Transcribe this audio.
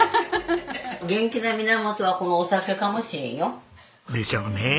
元気の源はこのお酒かもしれんよ。でしょうねえ。